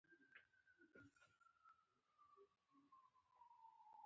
په اوږه يې چونډۍ ور ولګول شوه: